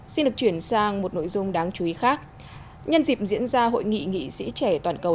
xin được chuyển sang một nội dung đáng chú ý khác nhân dịp diễn ra hội nghị nghị sĩ trẻ toàn cầu